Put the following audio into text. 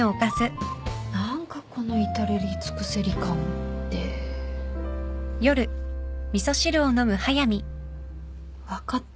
何かこの至れり尽くせり感って。分かった。